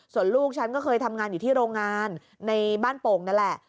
ส่วนลูกฉันก็เคยทำงานอยู่ที่โรงงานในบ้านโป่งนั่นแหละ